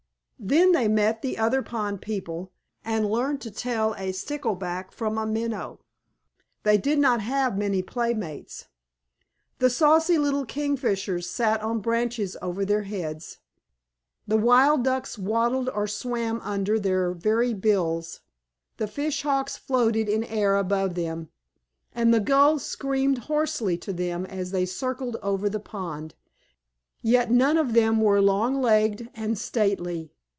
Then they met the other pond people, and learned to tell a Stickleback from a Minnow. They did not have many playmates. The saucy little Kingfishers sat on branches over their heads, the Wild Ducks waddled or swam under their very bills, the Fish Hawks floated in air above them, and the Gulls screamed hoarsely to them as they circled over the pond, yet none of them were long legged and stately.